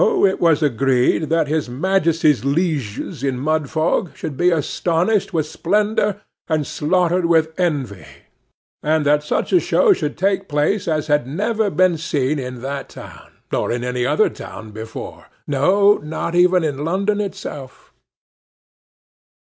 So it was agreed that his Majesty's lieges in Mudfog should be astonished with splendour, and slaughtered with envy, and that such a show should take place as had never been seen in that town, or in any other town before,—no, not even in London itself.